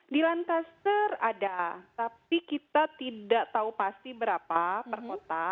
di lankaster ada tapi kita tidak tahu pasti berapa per kota